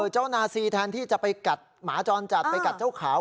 เจ้านาซีแทนที่จะไปกัดหมาจรจัดไปกัดเจ้าขาว